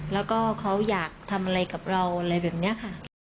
แล้วก็เขาอยากทำอะไรกับเราอะไรแบบนี้ค่ะ